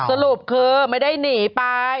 สรุปคือไม่ได้หนีไป